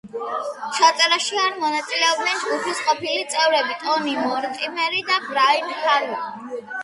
ჩაწერაში არ მონაწილეობდნენ ჯგუფის ყოფილი წევრები ტონი მორტიმერი და ბრაიან ჰარვი.